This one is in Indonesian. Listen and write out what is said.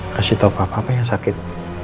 kasih tau apa apa yang sakit